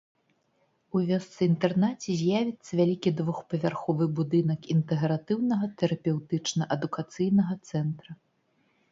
У вёсцы-інтэрнаце з'явіцца вялікі двухпавярховы будынак інтэгратыўнага тэрапеўтычна-адукацыйнага цэнтра.